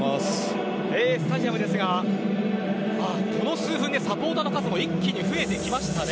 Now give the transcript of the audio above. スタジアムですが、ここ数分でサポーターの数も一気に増えてきましたね。